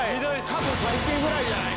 過去最低ぐらいじゃない？